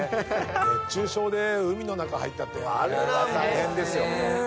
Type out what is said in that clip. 熱中症で海の中入ったって大変ですよね。